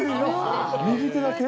右手だけ？